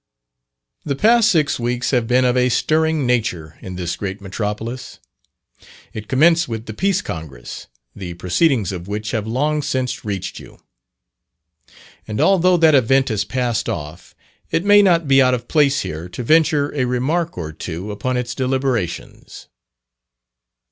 The past six weeks have been of a stirring nature in this great metropolis. It commenced with the Peace Congress, the proceedings of which have long since reached you. And although that event has passed off, it may not be out of place here to venture a remark or two upon its deliberations.